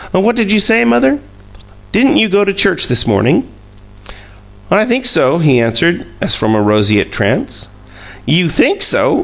"What did you say, mother?" "Didn't you go to church this morning?" "I think so," he answered, as from a roseate trance. "You THINK so!